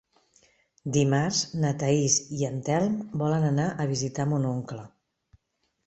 Dimarts na Thaís i en Telm volen anar a visitar mon oncle.